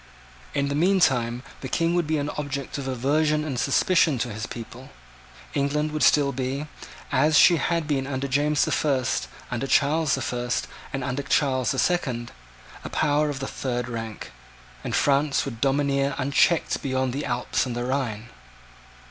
In the meantime the King would be an object of aversion and suspicion to his people. England would still be, as she had been under James the First, under Charles the First, and under Charles the Second, a power of the third rank; and France would domineer unchecked beyond the Alps and the Rhine.